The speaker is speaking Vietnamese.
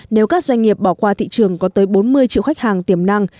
nếu các doanh nghiệp bỏ qua thị trường có tới bốn mươi triệu khách hàng tiềm năng